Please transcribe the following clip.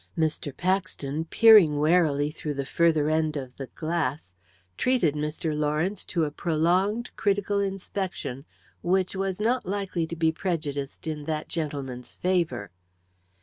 Mr. Paxton, peering warily through the further end of the glass, treated Mr. Lawrence to a prolonged critical inspection, which was not likely to be prejudiced in that gentleman's favour.